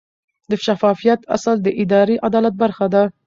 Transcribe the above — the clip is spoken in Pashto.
د شفافیت اصل د اداري عدالت برخه ده.